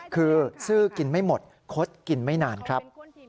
คือซื้อกินไม่หมดคดกินไม่นานครับ